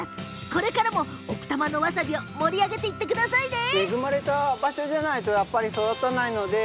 これからも奥多摩のわさびを盛り上げていってくださいね。